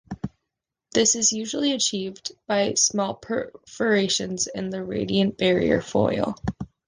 This is usually achieved by small perforations in the radiant barrier foil.